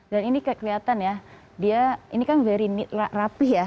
dan ini kayak kelihatan ya dia ini kan very neat rapi ya